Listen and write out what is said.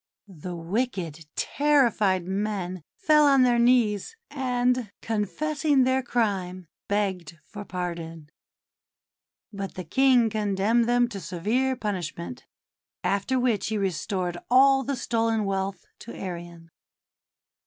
The wicked, terrified men fell on their knees, and, confessing their crime, begged for pardon. But the King condemned them to severe pun ishment; after which he restored all the stolen wealth to Arion.